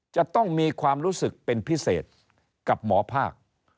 จะต้องมีความรู้สึกเป็นพิเศษกับหมอภาค